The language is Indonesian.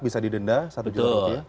tidak ada yang bisa diendah